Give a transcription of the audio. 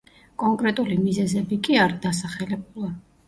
კონკრეტული მიზეზები კი არ დასახელებულა.